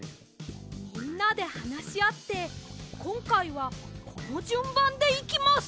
みんなではなしあってこんかいはこのじゅんばんでいきます！